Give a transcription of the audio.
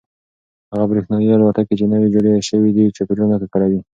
هغه برېښنايي الوتکې چې نوې جوړې شوي دي چاپیریال نه ککړوي.